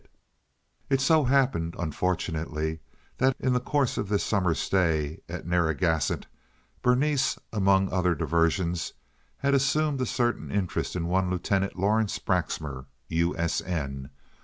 It had so happened, unfortunately, that in the course of this summer's stay at Narragansett Berenice, among other diversions, had assumed a certain interest in one Lieutenant Lawrence Braxmar, U.S.N.